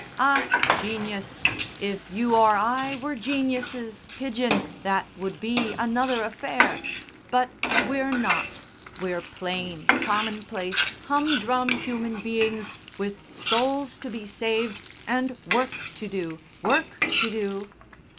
"Ah! Genius! If you or I were geniuses, Pidgen, that would be another affair. But we're not; we're plain, common place humdrum human beings with souls to be saved and work to do work to do!"